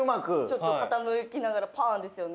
ちょっと傾きながらパン！ですよね。